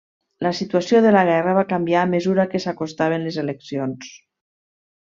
La situació de la guerra va canviar a mesura que s'acostaven les eleccions.